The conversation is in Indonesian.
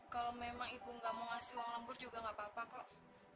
kalau memang ibu nggak mau ngasih uang lembur juga gak apa apa kok